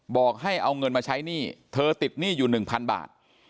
บอกให้เอาเงินมาใช้หนี้เธอติดหนี้อยู่๑๐๐บาท